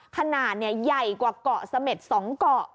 ขนาดเนี่ยใหญ่กว่ากเกาะสเม็ด๒เกาะ